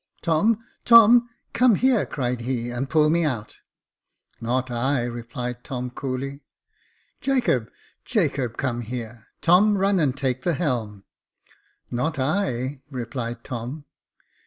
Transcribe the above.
'* Tom, Tom, come here," cried he, " and pull me out." *' Not I," replied Tom, coolly. '* Jacob, Jacob, come here ; Tom, run and take the helm." " Not I," replied Tom.